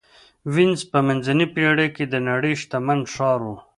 وینز په منځنۍ پېړۍ کې د نړۍ شتمن ښار و.